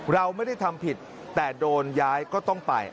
เราไม่ได้ทำผิดแต่โดนย้ายก็ต้องไป